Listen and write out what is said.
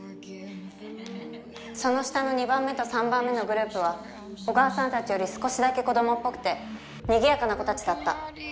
その下の二番目と三番目のグループは小川さんたちより少しだけ子供っぽくて賑やかな子たちだった。